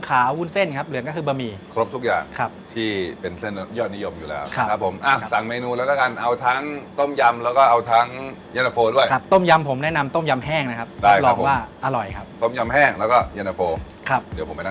ได้ครับขอบคุณครับครับขอบคุณครับ